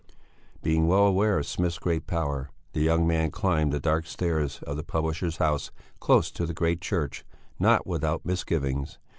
Being well aware of Smith's great power, the young man climbed the dark stairs of the publisher's house close to the Great Church, not without misgivings.